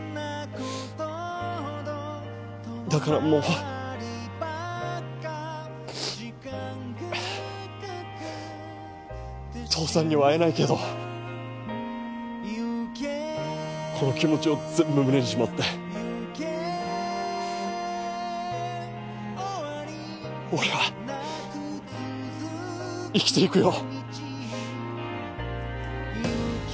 だからもう父さんには会えないけどこの気持ちを全部胸にしまって俺は生きていくよ。